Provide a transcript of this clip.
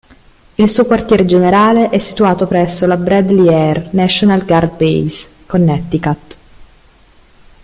Il suo quartier generale è situato presso la Bradley Air National Guard Base, Connecticut.